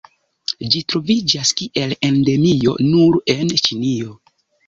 Ĝi troviĝas kiel endemio nur en Ĉinio.